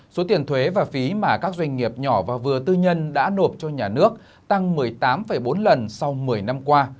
số tiền thuế và phí mà các doanh nghiệp nhỏ và vừa tư nhân đã nộp cho nhà nước tăng một mươi tám bốn lần sau một mươi năm qua